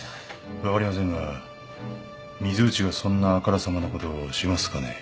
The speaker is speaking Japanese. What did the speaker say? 分かりませんが水内がそんなあからさまなことしますかね？